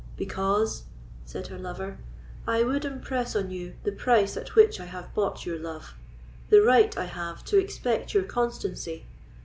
"Because," said her lover, "I would impress on you the price at which I have bought your love—the right I have to expect your constancy.